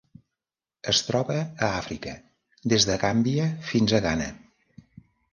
Es troba a Àfrica: des de Gàmbia fins a Ghana.